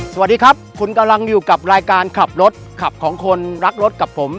สวัสดีครับคุณกำลังอยู่กับรายการขับรถขับของคนรักรถกับผม